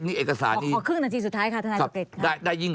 นี่เอกสารนี้ขอครึ่งนาทีสุดท้ายค่ะ